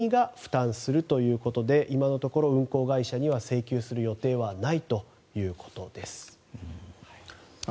およそ１億４０００万円は国が負担するということで今のところ運航会社には請求する予定はないということです。